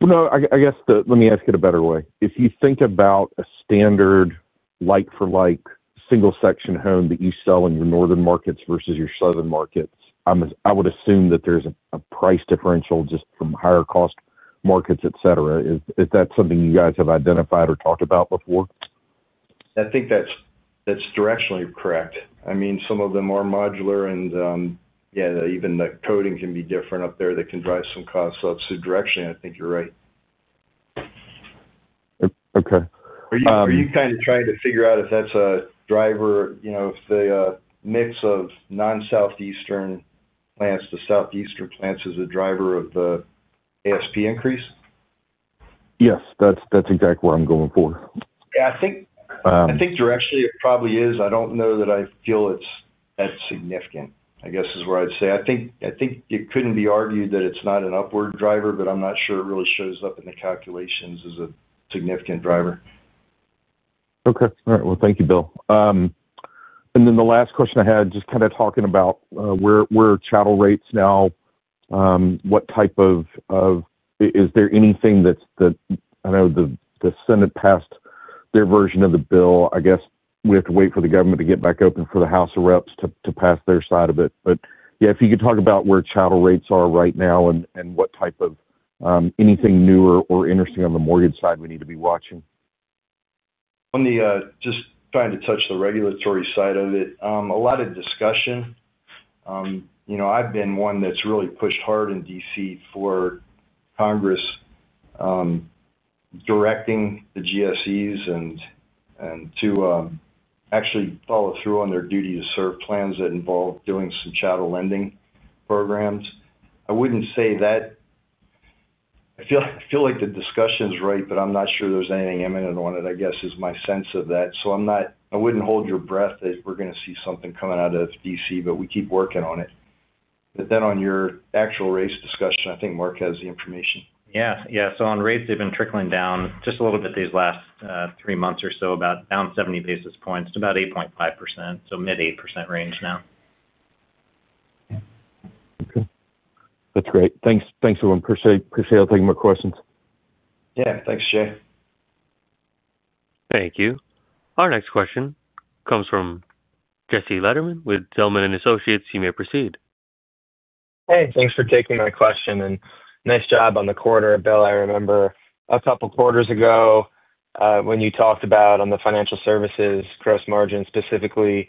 I guess let me ask it a better way. If you think about a standard like-for-like single-section home that you sell in your northern markets versus your southern markets, I would assume that there's a price differential just from higher-cost markets, etc. Is that something you guys have identified or talked about before? I think that's directionally correct. I mean, some of them are modular, and yeah, even the coding can be different up there. That can drive some costs. Directionally, I think you're right. Okay. Are you kind of trying to figure out if that's a driver, if the mix of non-Southeastern plants to Southeastern plants is a driver of the ASP increase? Yes, that's exactly where I'm going. I think directionally it probably is. I don't know that I feel it's that significant, I guess, is where I'd say. I think it couldn't be argued that it's not an upward driver, but I'm not sure it really shows up in the calculations as a significant driver. Okay. All right. Thank you, Bill. The last question I had, just kind of talking about where are channel rates now? What type of, is there anything that, I know the Senate passed their version of the bill. I guess we have to wait for the government to get back open for the House of Reps to pass their side of it. If you could talk about where channel rates are right now and what type of, anything newer or interesting on the mortgage side we need to be watching. Just trying to touch the regulatory side of it. A lot of discussion. I've been one that's really pushed hard in D.C. for Congress directing the GSEs to actually follow through on their duty to serve plans that involve doing some channel lending programs. I wouldn't say that. I feel like the discussion is right, but I'm not sure there's anything imminent on it, I guess, is my sense of that. I wouldn't hold your breath that we're going to see something coming out of D.C., but we keep working on it. On your actual rates discussion, I think Mark has the information. Yeah. On rates, they've been trickling down just a little bit these last three months or so, about down 70 basis points to about 8.5%. Mid-8% range now. Okay, that's great. Thanks, everyone. Appreciate it. I'll take more questions. Yeah, thanks, Jay. Thank you. Our next question comes from Jesse Lederman with Zelman & Associates. You may proceed. Hey, thanks for taking my question. Nice job on the quarter, Bill. I remember a couple of quarters ago when you talked about, on the financial services gross margin specifically,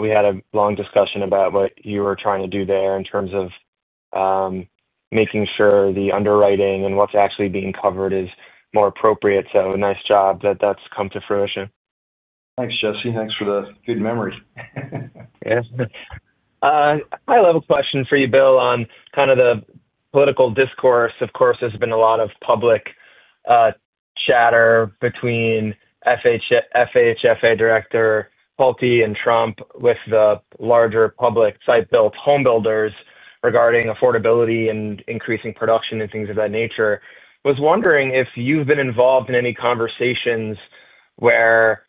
we had a long discussion about what you were trying to do there in terms of making sure the underwriting and what's actually being covered is more appropriate. Nice job that that's come to fruition. Thanks, Jesse. Thanks for the good memories. Yeah. High-level question for you, Bill, on kind of the political discourse. Of course, there's been a lot of public chatter between FHFA Director Pulte and Trump with the larger public site-built homebuilders regarding affordability and increasing production and things of that nature. I was wondering if you've been involved in any conversations where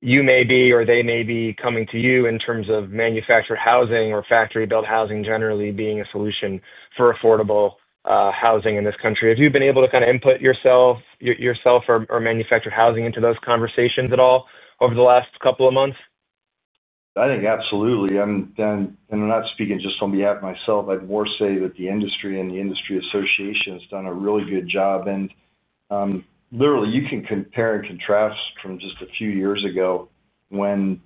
you may be or they may be coming to you in terms of manufactured housing or factory-built housing generally being a solution for affordable housing in this country. Have you been able to kind of input yourself or manufactured housing into those conversations at all over the last couple of months? I think absolutely. I'm not speaking just on behalf of myself. I'd more say that the industry and the industry association has done a really good job. Literally, you can compare and contrast from just a few years ago when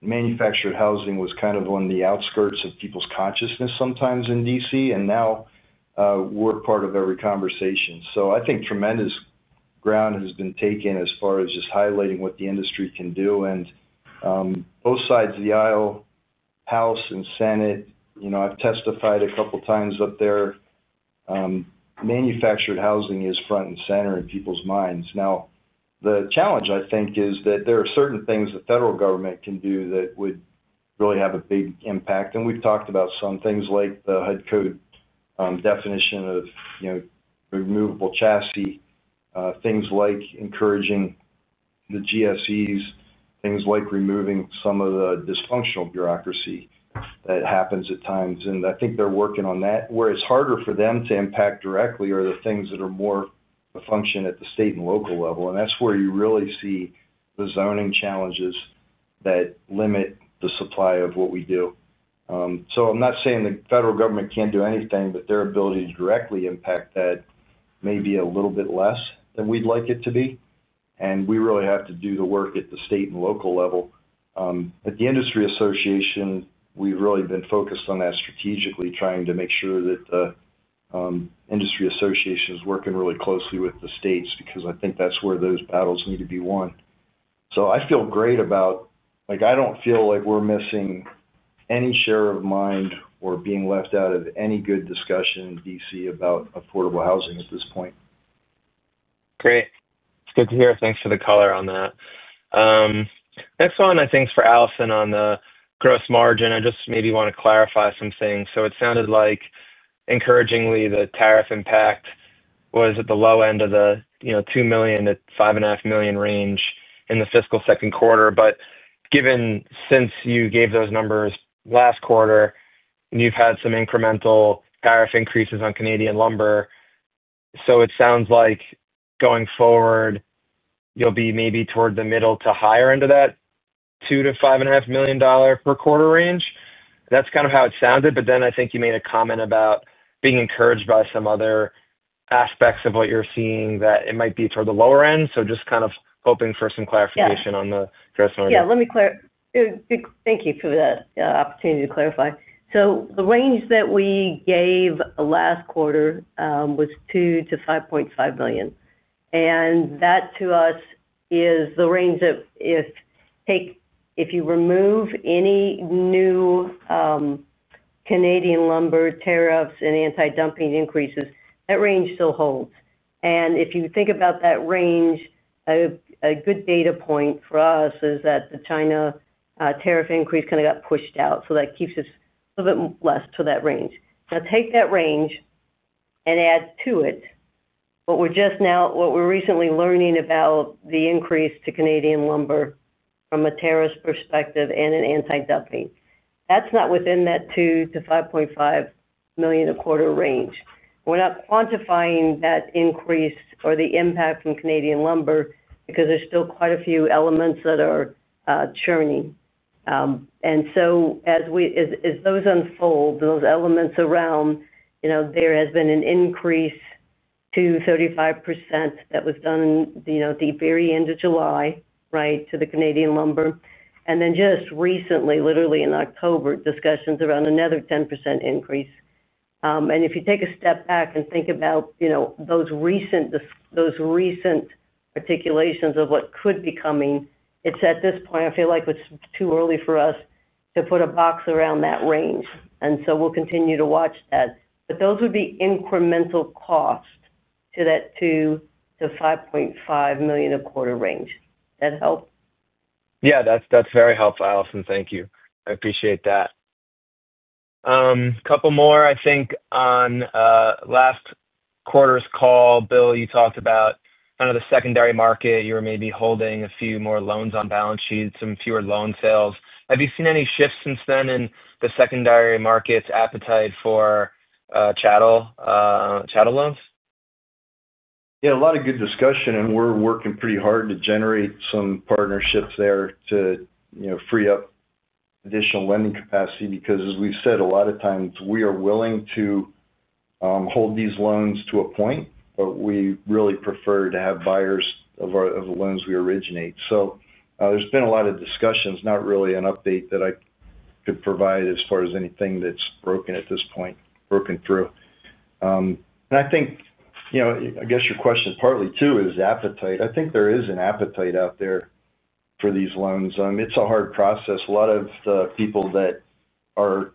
manufactured housing was kind of on the outskirts of people's consciousness sometimes in D.C., and now we're part of every conversation. I think tremendous ground has been taken as far as just highlighting what the industry can do. Both sides of the aisle, House and Senate, I've testified a couple of times up there, manufactured housing is front and center in people's minds. Now, the challenge, I think, is that there are certain things the federal government can do that would really have a big impact. We've talked about some things like the HUD code definition of removable chassis, things like encouraging the GSEs, things like removing some of the dysfunctional bureaucracy that happens at times. I think they're working on that. Where it's harder for them to impact directly are the things that are more a function at the state and local level. That's where you really see the zoning challenges that limit the supply of what we do. I'm not saying the federal government can't do anything, but their ability to directly impact that may be a little bit less than we'd like it to be. We really have to do the work at the state and local level. At the industry association, we've really been focused on that strategically, trying to make sure that the industry association is working really closely with the states because I think that's where those battles need to be won. I feel great about it. I don't feel like we're missing any share of mind or being left out of any good discussion in D.C. about affordable housing at this point. Great. It's good to hear. Thanks for the color on that. Next one, I think, is for Allison on the gross margin. I just maybe want to clarify some things. It sounded like, encouragingly, the tariff impact was at the low end of the $2 million-$5.5 million range in the fiscal second quarter. Given since you gave those numbers last quarter, and you've had some incremental tariff increases on Canadian lumber, it sounds like going forward you'll be maybe toward the middle to higher end of that $2 million-$5.5 million per quarter range. That's kind of how it sounded. I think you made a comment about being encouraged by some other aspects of what you're seeing that it might be toward the lower end. Just kind of hoping for some clarification on the gross margin. Thank you for the opportunity to clarify. The range that we gave last quarter was $2 million-$5.5 million. That to us is the range that, if you remove any new Canadian lumber tariffs and anti-dumping increases, still holds. If you think about that range, a good data point for us is that the China tariff increase kind of got pushed out. That keeps us a little bit less to that range. Now take that range and add to it what we're just now, what we're recently learning about the increase to Canadian lumber from a tariff perspective and anti-dumping. That's not within that $2 million-$5.5 million a quarter range. We're not quantifying that increase or the impact from Canadian lumber because there's still quite a few elements that are churning. As those unfold, those elements around, there has been an increase to 35% that was done at the very end of July to the Canadian lumber. Just recently, literally in October, discussions around another 10% increase. If you take a step back and think about those recent articulations of what could be coming, at this point, I feel like it's too early for us to put a box around that range. We'll continue to watch that. Those would be incremental cost to that $2 million-$5.5 million a quarter range. Does that help? Yeah. That's very helpful, Allison. Thank you. I appreciate that. A couple more, I think. Last quarter's call, Bill, you talked about kind of the secondary market. You were maybe holding a few more loans on balance sheets, some fewer loan sales. Have you seen any shifts since then in the secondary market's appetite for chattel loans? Yeah. A lot of good discussion. We're working pretty hard to generate some partnerships there to free up additional lending capacity because, as we've said, a lot of times we are willing to hold these loans to a point, but we really prefer to have buyers of the loans we originate. There's been a lot of discussions, not really an update that I could provide as far as anything that's broken through at this point. I think your question partly too is appetite. I think there is an appetite out there for these loans. It's a hard process. A lot of the people that are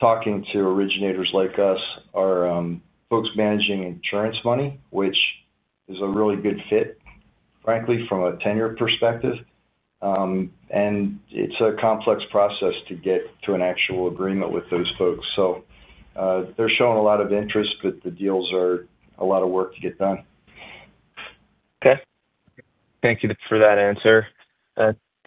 talking to originators like us are folks managing insurance money, which is a really good fit, frankly, from a tenure perspective. It's a complex process to get to an actual agreement with those folks. They're showing a lot of interest, but the deals are a lot of work to get done. Okay. Thank you for that answer.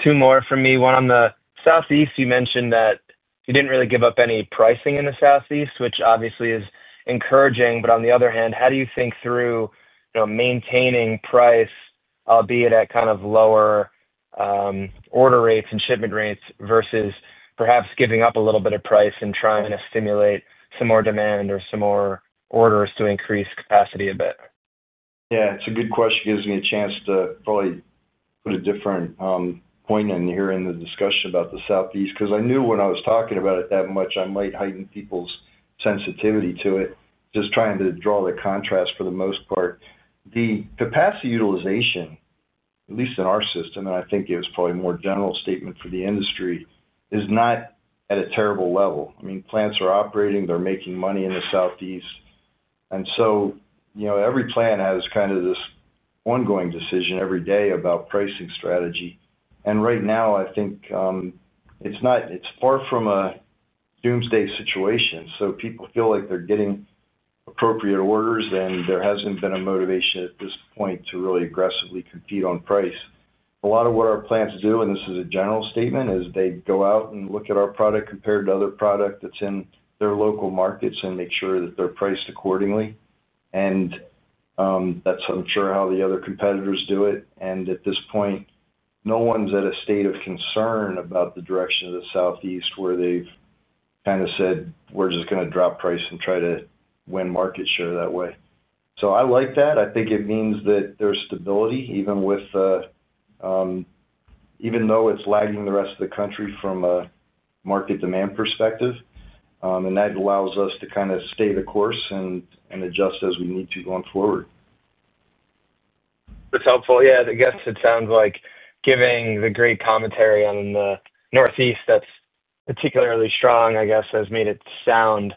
Two more from me. One on the Southeast, you mentioned that you didn't really give up any pricing in the Southeast, which obviously is encouraging. On the other hand, how do you think through maintaining price, albeit at kind of lower order rates and shipment rates versus perhaps giving up a little bit of price and trying to stimulate some more demand or some more orders to increase capacity a bit? Yeah. It's a good question. It gives me a chance to probably put a different point in here in the discussion about the Southeast because I knew when I was talking about it that much I might heighten people's sensitivity to it, just trying to draw the contrast for the most part. The capacity utilization, at least in our system, and I think it was probably a more general statement for the industry, is not at a terrible level. I mean, plants are operating. They're making money in the Southeast. Every plant has kind of this ongoing decision every day about pricing strategy. Right now, I think it's far from a doomsday situation. People feel like they're getting appropriate orders, and there hasn't been a motivation at this point to really aggressively compete on price. A lot of what our plants do, and this is a general statement, is they go out and look at our product compared to other products that's in their local markets and make sure that they're priced accordingly. That's unsure how the other competitors do it. At this point, no one's at a state of concern about the direction of the Southeast where they've kind of said, "We're just going to drop price and try to win market share that way." I like that. I think it means that there's stability, even though it's lagging the rest of the country from a market demand perspective. That allows us to kind of stay the course and adjust as we need to going forward. That's helpful. I guess it sounds like, given the great commentary on the Northeast that's particularly strong, it has made it sound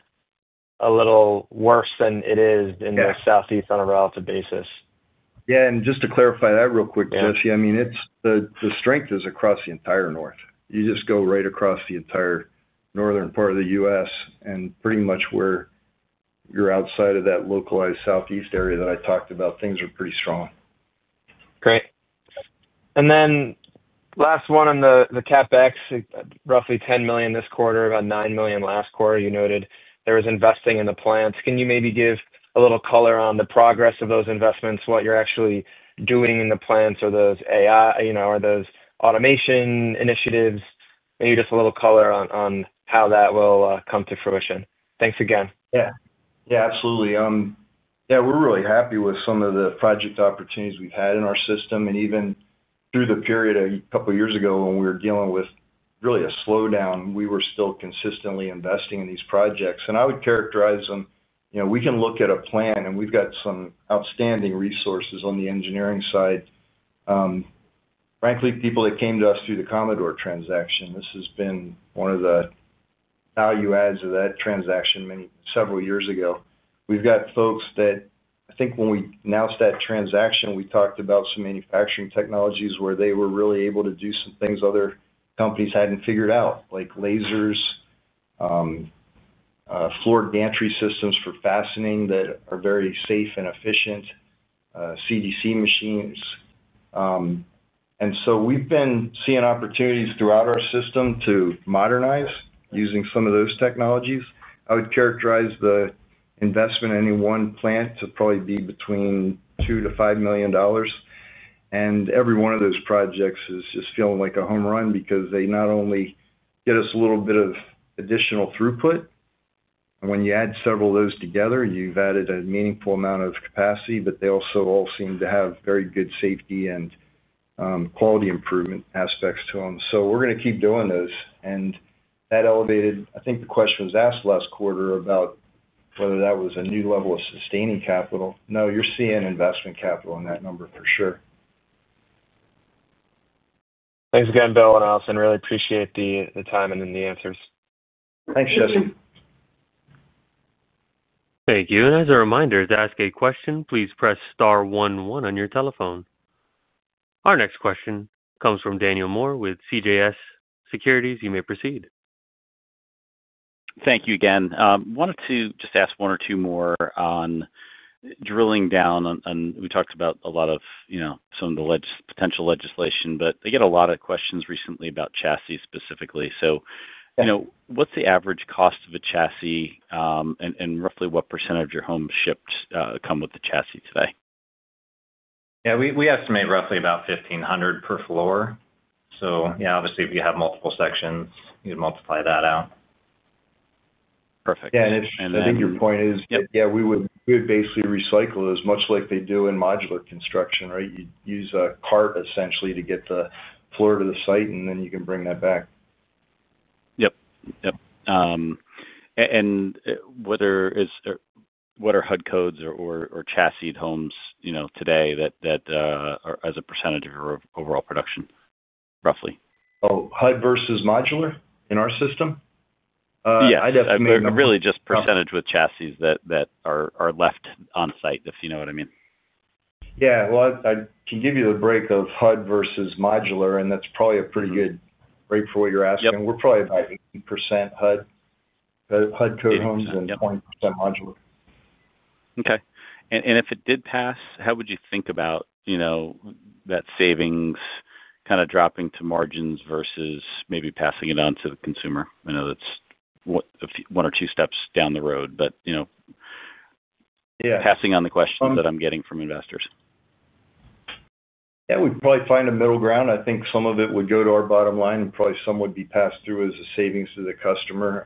a little worse than it is in the Southeast on a relative basis. Yeah, just to clarify that real quick, Jesse, the strength is across the entire north. You just go right across the entire northern part of the U.S., and pretty much where you're outside of that localized Southeast area that I talked about, things are pretty strong. Great. Last one on the CapEx, roughly $10 million this quarter, about $9 million last quarter. You noted there was investing in the plants. Can you maybe give a little color on the progress of those investments, what you're actually doing in the plants or those automation initiatives? Maybe just a little color on how that will come to fruition. Thanks again. Yeah. Yeah. Absolutely. Yeah. We're really happy with some of the project opportunities we've had in our system. Even through the period a couple of years ago when we were dealing with really a slowdown, we were still consistently investing in these projects. I would characterize them, we can look at a plan, and we've got some outstanding resources on the engineering side. Frankly, people that came to us through the Commodore transaction, this has been one of the value adds of that transaction several years ago. We've got folks that I think when we announced that transaction, we talked about some manufacturing technologies where they were really able to do some things other companies hadn't figured out, like lasers, floor gantry systems for fastening that are very safe and efficient, CDC machines. We've been seeing opportunities throughout our system to modernize using some of those technologies. I would characterize the investment in any one plant to probably be between $2 million-$5 million. Every one of those projects is just feeling like a home run because they not only get us a little bit of additional throughput, and when you add several of those together, you've added a meaningful amount of capacity, but they also all seem to have very good safety and quality improvement aspects to them. We're going to keep doing those. That elevated, I think the question was asked last quarter about whether that was a new level of sustaining capital. No, you're seeing investment capital in that number for sure. Thanks again, Bill and Allison. Really appreciate the time and the answers. Thanks, Jesse. Thank you. As a reminder, to ask a question, please press star 11 on your telephone. Our next question comes from Daniel Moore with CJS Securities. You may proceed. Thank you again. Wanted to just ask one or two more. Drilling down, we talked about a lot of some of the potential legislation, but I get a lot of questions recently about chassis specifically. What's the average cost of a chassis, and roughly what percentage of your home ships come with the chassis today? Yeah, we estimate roughly about $1,500 per floor. If you have multiple sections, you'd multiply that out. Perfect. I think your point is, yeah, we would basically recycle as much like they do in modular construction, right? You use a cart essentially to get the floor to the site, and then you can bring that back. What are HUD code or chassis homes today as a percentage of your overall production, roughly? Oh, HUD versus modular in our system? Really just percentage with chassis that are left on site, if you know what I mean. I can give you the break of HUD versus modular, and that's probably a pretty good break for what you're asking. We're probably about 80% HUD code homes and 20% modular. Okay. If it did pass, how would you think about that savings kind of dropping to margins versus maybe passing it on to the consumer? I know that's one or two steps down the road, but passing on the questions that I'm getting from investors. Yeah. We'd probably find a middle ground. I think some of it would go to our bottom line, and probably some would be passed through as a savings to the customer.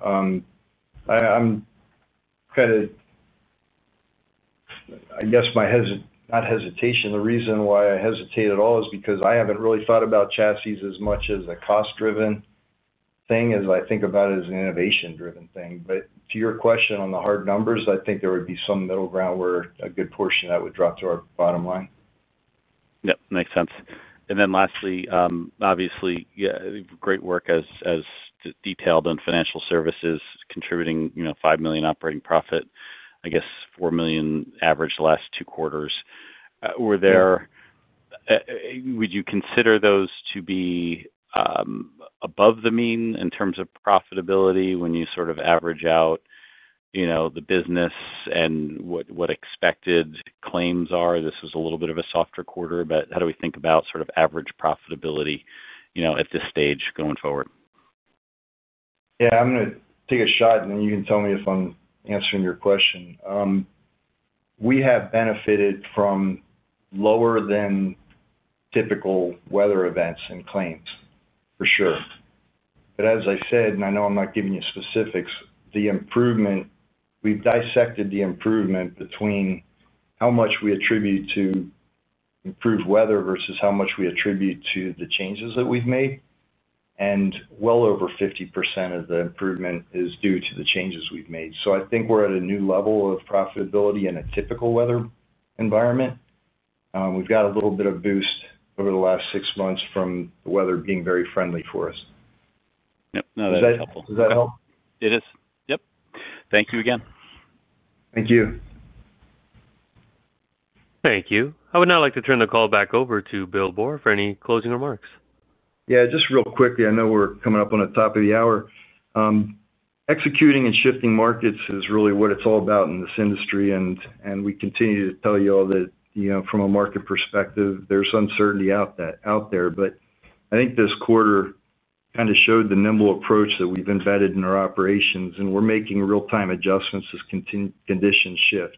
I guess my hesitation, the reason why I hesitate at all, is because I haven't really thought about chassis as much as a cost-driven thing as I think about it as an innovation-driven thing. To your question on the hard numbers, I think there would be some middle ground where a good portion of that would drop to our bottom line. Makes sense. Lastly, obviously, great work as detailed in financial services, contributing $5 million operating profit, I guess $4 million average the last two quarters. Would you consider those to be above the mean in terms of profitability when you sort of average out the business and what expected claims are? This is a little bit of a softer quarter, but how do we think about sort of average profitability at this stage going forward? I'm going to take a shot, and then you can tell me if I'm answering your question. We have benefited from lower than typical weather events and claims for sure. As I said, and I know I'm not giving you specifics, the improvement, we've dissected the improvement between how much we attribute to improved weather versus how much we attribute to the changes that we've made. Well over 50% of the improvement is due to the changes we've made. I think we're at a new level of profitability in a typical weather environment. We've got a little bit of boost over the last six months from the weather being very friendly for us. Yep, no, that's helpful. Does that help? It is. Thank you again. Thank you. Thank you. I would now like to turn the call back over to Bill Boor for any closing remarks. Yeah. Just real quickly, I know we're coming up on the top of the hour. Executing and shifting markets is really what it's all about in this industry. We continue to tell you all that from a market perspective, there's uncertainty out there. I think this quarter kind of showed the nimble approach that we've embedded in our operations, and we're making real-time adjustments as conditions shift.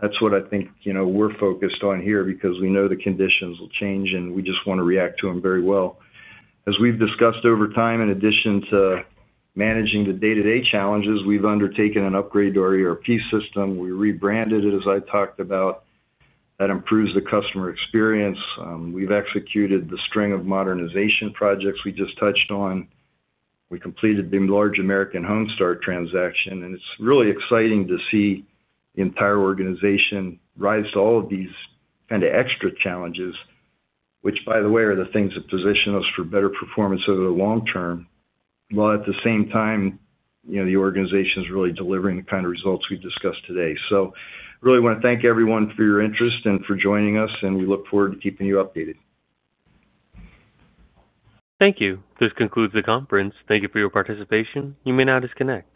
That's what I think we're focused on here because we know the conditions will change, and we just want to react to them very well. As we've discussed over time, in addition to managing the day-to-day challenges, we've undertaken an upgrade to our ERP system. We rebranded it, as I talked about. That improves the customer experience. We've executed the string of modernization projects we just touched on. We completed the large American Homestar transaction. It's really exciting to see the entire organization rise to all of these kind of extra challenges, which, by the way, are the things that position us for better performance over the long term. While at the same time, the organization is really delivering the kind of results we've discussed today. I really want to thank everyone for your interest and for joining us, and we look forward to keeping you updated. Thank you. This concludes the conference. Thank you for your participation. You may now disconnect.